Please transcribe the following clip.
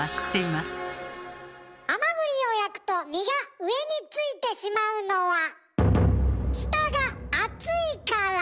ハマグリを焼くと身が上についてしまうのは下が熱いから。